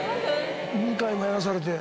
２回もやらされて。